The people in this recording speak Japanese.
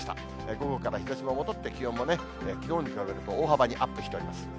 午後から日ざしも戻って、気温もね、きのうに比べると大幅にアップしております。